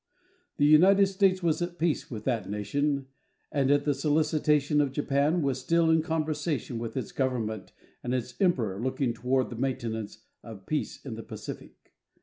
The United States was at peace with that nation and, at the solicitation of Japan, was still in conversation with its government and its emperor looking toward the maintenance of peace in the Pacific.